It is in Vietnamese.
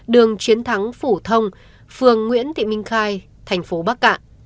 đường chiến thắng phủ thông phường nguyễn thị minh khai thành phố bắc cạn